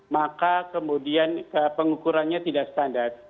maka kemudian pengukurannya tidak standar